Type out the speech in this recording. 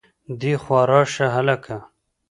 دېخوا راشه هلکه